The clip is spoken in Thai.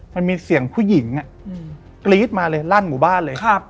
มันมีเสียงผู้หญิงกรี๊ดมาเลยลั่นหมู่บ้านเลย